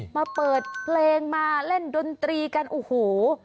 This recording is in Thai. มาเปิดเพลงมาเล่นดนตรีกันโอ้โห